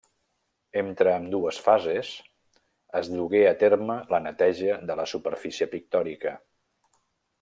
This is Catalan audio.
Entre ambdues fases, es dugué a terme la neteja de la superfície pictòrica.